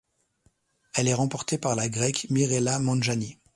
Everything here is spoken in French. Elle est remportée par la Grecque Miréla Manjani.